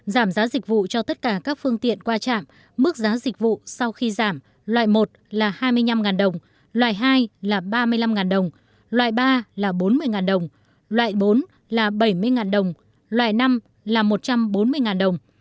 giảm giá dịch vụ cho tất cả các phương tiện qua trạm mức giá dịch vụ sau khi giảm loại một là hai mươi năm đồng loại hai là ba mươi năm đồng loại ba là bốn mươi đồng loại bốn là bảy mươi đồng loại năm là một trăm bốn mươi đồng